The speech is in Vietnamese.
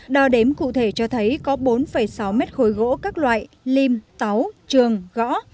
đo đếm cụ thể cho thấy có bốn sáu mét khối gỗ các loại lim táu trường gõ